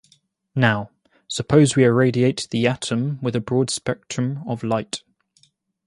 Now, suppose we irradiate the atom with a broad-spectrum of light.